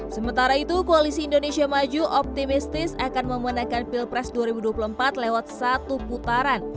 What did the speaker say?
sementara itu koalisi indonesia maju optimistis akan memenangkan pilpres dua ribu dua puluh empat lewat satu putaran